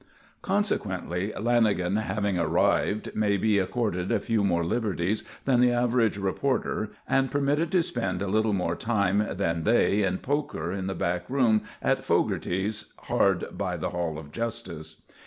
Consequently Lanagan, having "arrived," may be accorded a few more liberties than the average reporter and permitted to spend a little more time than they in poker in the back room at Fogarty's, hard by the Hall of Justice.